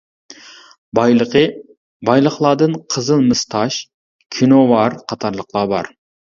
بايلىقى بايلىقلاردىن قىزىل مىس تاش، كىنوۋار قاتارلىقلار بار.